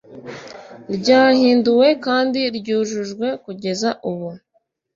ryahinduwe kandi ryujujwe kugeza ubu